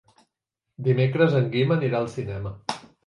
Dimecres en Guim anirà al cinema.